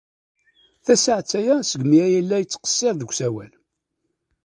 Tasaɛet aya seg mi ay la yettqeṣṣir deg usawal.